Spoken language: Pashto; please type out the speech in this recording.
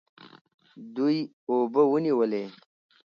دوی اوبه ونیولې.